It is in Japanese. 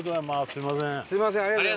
すみません。